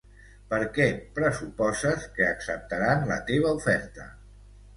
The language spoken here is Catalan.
Per què pressuposes que acceptaran la teva oferta?